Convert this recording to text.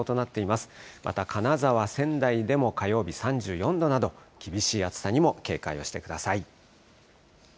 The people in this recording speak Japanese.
また金沢、仙台でも火曜日３４度など、厳しい暑さにも警戒をしてください。